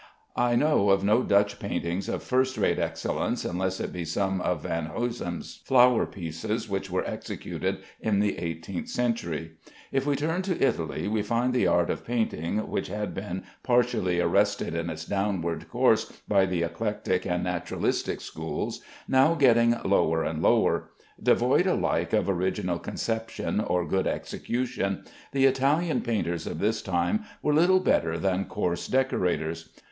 I know of no Dutch paintings of first rate excellence unless it be some of Van Huysum's flower pieces which were executed in the eighteenth century. If we turn to Italy, we find the art of painting, which had been partially arrested in its downward course by the Eclectic and Naturalistic schools, now getting lower and lower. Devoid alike of original conception or good execution, the Italian painters of this time were little better than coarse decorators.